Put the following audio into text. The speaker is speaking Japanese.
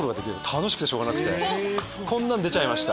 楽しくてしょうがなくて「こんなん出ちゃいました」